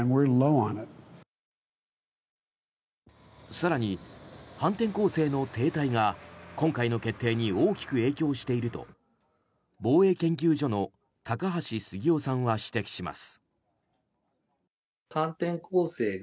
更に、反転攻勢の停滞が今回の決定に大きく影響していると防衛研究所の高橋杉雄さんは指摘します。